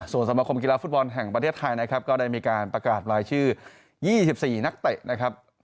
ส่วนสมคมกีฬาฟุตบอลแห่งประเทศไทยนะครับก็ได้มีการประกาศรายชื่อ๒๔นักเตะนะครับ